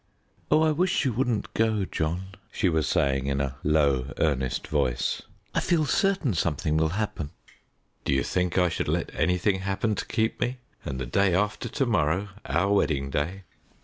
"Oh, I wish you wouldn't go, John," she was saying in a low, earnest voice. "I feel certain something will happen." "Do you think I should let anything happen to keep me, and the day after to morrow our wedding day?"